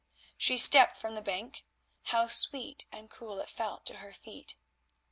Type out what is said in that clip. She stepped from the bank—how sweet and cool it felt to her feet!